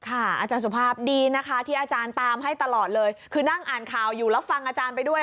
อาจารย์สุภาพดีนะคะที่อาจารย์ตามให้ตลอดเลยคือนั่งอ่านข่าวอยู่แล้วฟังอาจารย์ไปด้วย